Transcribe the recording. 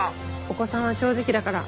お子さんは正直だから。